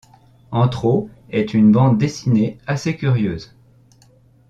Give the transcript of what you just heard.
Anthro est une bande dessinée assez curieuse.